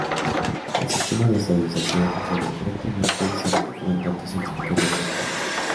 El sistema de estabilización funcionó correctamente y se recogieron datos científicos de buena calidad